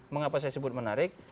mengapa saya sebut menarik